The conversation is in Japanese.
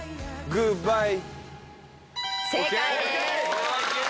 「グッバイ」